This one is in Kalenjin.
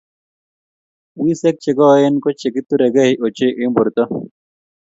Wiseek che koen ko keturekei ochei eng borto.